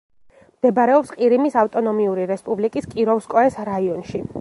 მდებარეობს ყირიმის ავტონომიური რესპუბლიკის კიროვსკოეს რაიონში.